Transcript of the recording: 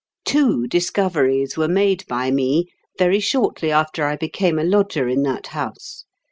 Two discoveries were made by me very shortly after I became a lodger in that house.